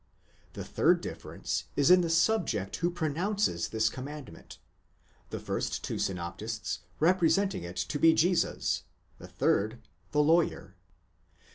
The third difference is in the subject who pronounces this commandment, the first two synoptists re presenting it to be Jesus, the third, the lawyer.